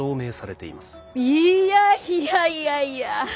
いやいやいやいや。